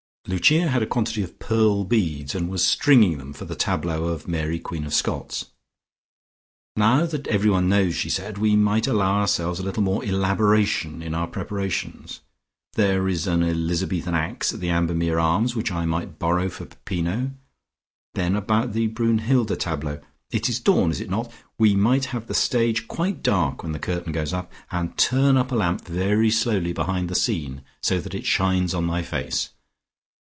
Lucia had got a quantity of pearl beads and was stringing them for the tableau of Mary Queen of Scots. "Now that everyone knows," she said, "we might allow ourselves a little more elaboration in our preparations. There is an Elizabethan axe at the Ambermere Arms which I might borrow for Peppino. Then about the Brunnhilde tableau. It is dawn, is it not? We might have the stage quite dark when the curtain goes up, and turn up a lamp very slowly behind the scene, so that it shines on my face.